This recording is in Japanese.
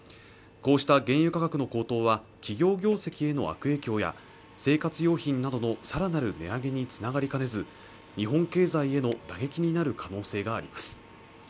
こうした原油価格の高騰は企業業績への悪影響や生活用品などのさらなる値上げにつながりかねず日本経済への打撃になる可能性があります